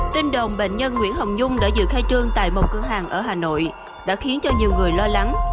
tin đồn bệnh nhân nguyễn hồng dung đã dự khai trương tại một cửa hàng ở hà nội đã khiến cho nhiều người lo lắng